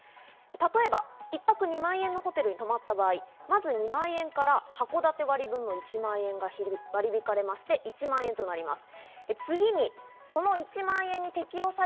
例えば一泊２万円のホテルに泊まった場合、まず２万円から、はこだて割分の１万円が割り引かれまして１万円となります。